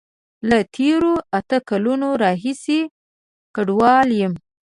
له تیرو اته کالونو راهیسی کډوال یم